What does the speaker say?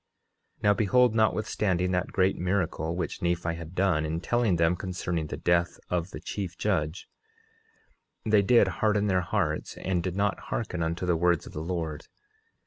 10:13 Now behold, notwithstanding that great miracle which Nephi had done in telling them concerning the death of the chief judge, they did harden their hearts and did not hearken unto the words of the Lord.